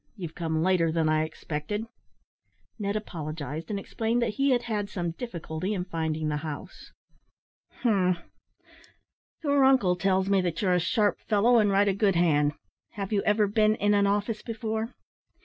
You've come later than I expected." Ned apologised, and explained that he had had some difficulty in finding the house. "Umph! Your uncle tells me that you're a sharp fellow, and write a good hand. Have you ever been in an office before?"